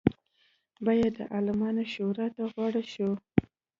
باید د عالمانو شورا ته غوره شي.